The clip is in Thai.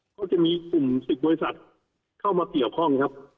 ก็จะมีกลุ่ม๑๐บริษัทเข้ามาเกี่ยวข้องครับ